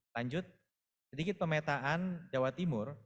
lanjut sedikit pemetaan jawa timur